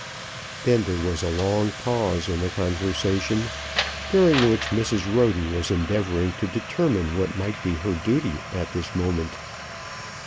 Then there was a long pause in the conversation, during which Mrs. Roden was endeavouring to determine what might be her duty at this moment.